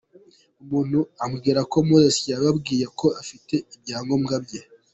Umuntu ambwira ko Moses yababwiye ko mfite ibyangombwa bye.